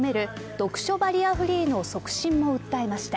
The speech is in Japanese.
読書バリアフリーの促進も訴えました。